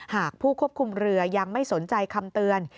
หากผู้ควบคุมเรือยังไม่สนใจคำเตือน